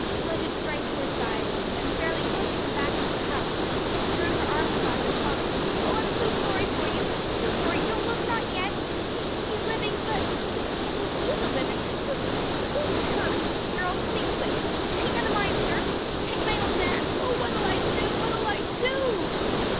Mildred sprang to her side, and fairly pushing her back into the house, threw her arms about her sobbing, "Oh, I'm so sorry for you! so sorry! Don't look! not yet. He he's living but " "Who? who's a livin'? who's hurt? Girl, tell me quick! 'Tain't none o' mine, sure? 'Taint my old man? Oh, what'll I do? what'll I do?"